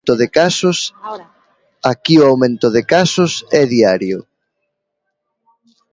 Aquí o aumento de casos é diario.